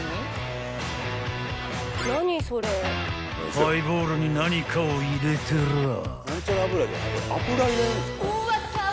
［ハイボールに何かを入れてらぁ］